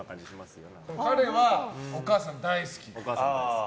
彼はお母さん大好き。